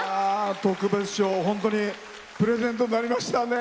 特別賞、本当にプレゼントになりましたね。